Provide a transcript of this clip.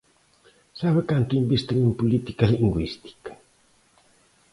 ¿Sabe canto invisten en política lingüística?